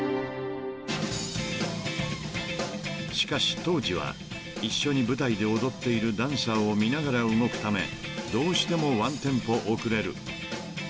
［しかし当時は一緒に舞台で踊っているダンサーを見ながら動くためどうしてもワンテンポ遅れる］